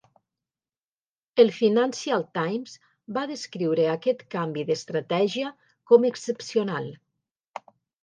El "Financial Times" va descriure aquest canvi d'estratègia com "excepcional".